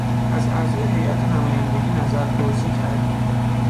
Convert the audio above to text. از اعضای هیات نمایندگی نظر پرسی کردیم.